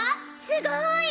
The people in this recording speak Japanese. すごい！